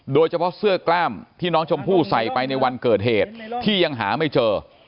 โดยเฉพาะเสื้อกล้ามที่น้องชมพู่ใส่ไปในวันเกิดเหตุที่ยังหาไม่เจอ